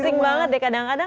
asing banget deh kadang kadang